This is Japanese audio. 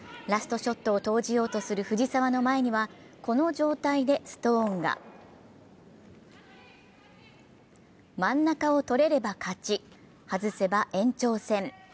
ラストショットを投じようとする藤澤の前にはこの状態でストーンが真ん中を取れれば勝ち、外せば延長戦。